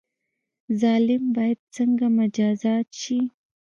ظالم باید څنګه مجازات شي؟